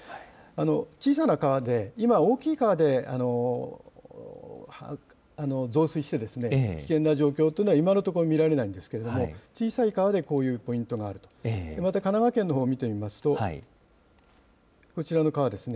小さな川で、今大きい川で増水して危険な状況というのは、今のところ見られないんですけれども、小さい川でこういうポイントがあると、また神奈川県のほうを見てみますと、こちらの川ですね、